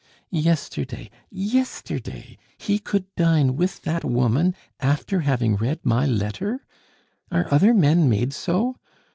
"Yesterday, yesterday, he could dine with that woman, after having read my letter? Are other men made so?